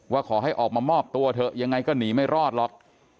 ว่าขอให้ออกมามอบตัวเถอะยังไงก็หนีไม่รอดหรอก